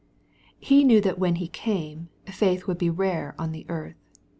4) He knew that when He came, faith would be rare on the earth.